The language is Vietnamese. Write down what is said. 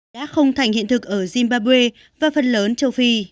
đã không thành hiện thực ở zimbabwe và phần lớn châu phi